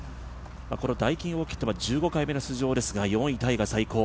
ダイキンオーキッドは１５回目の出場ですが、４位タイが最高。